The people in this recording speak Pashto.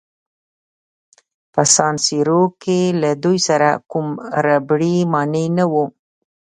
په سان سیرو کې له دوی سره کوم ربړي مانع نه وو.